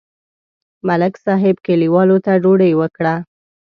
ملک صاحب کلیوالو ته ډوډۍ وکړه.